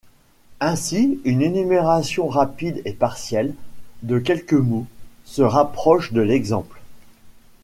Ainsi, une énumération rapide et partielle, de quelques mots, se rapproche de l'exemple.